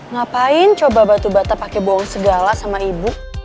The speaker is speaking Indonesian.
ngapain coba batu bata pake bohong segala sama ibu